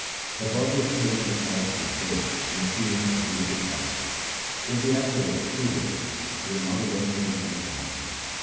2 The body obtaineth the character of gold and assumeth a beautiful colour ; If the Assayer approve of it, He will not again put it in the fire.